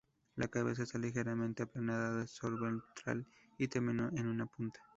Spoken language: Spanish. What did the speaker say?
La cabeza está ligeramente aplanada dorsoventral y terminó en una punta.